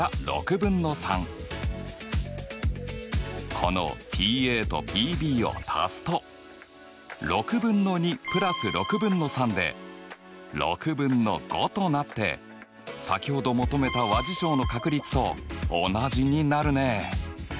このＰとＰを足すと６分の２プラス６分の３で６分の５となって先ほど求めた和事象の確率と同じになるね。